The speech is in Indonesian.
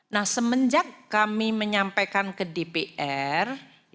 nah semenjak kami menyampaikan ke dpr